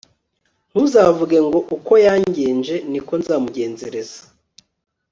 ntuzavuge ngo uko yangenje, ni ko nzamugenzereza